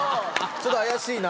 ちょっと怪しいな。